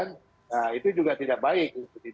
nah itu juga tidak baik